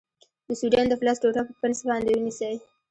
د سوډیم د فلز ټوټه په پنس باندې ونیسئ.